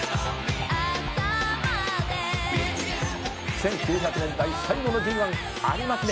「１９００年代最後のＧⅠ有馬記念。